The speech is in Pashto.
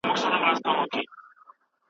ستونزې ته صبر کول د ماشومانو ځانګړتیا ده.